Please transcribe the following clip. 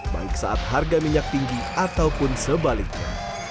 baik saat harga minyak tinggi ataupun sebaliknya